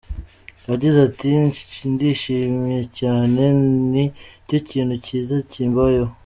Yagize ati” Ndishimye cyane, ni cyo kintu cyiza kimbayeho.